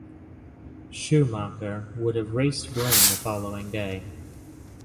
Schumacher would have raced Blaine the following day.